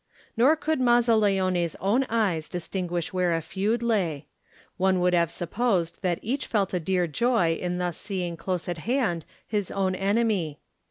Nor could Mazzaleone's own eyes dis tinguish where a feud lay; one would have supposed that each felt a dear joy in thus seeing close at hand his own enemy.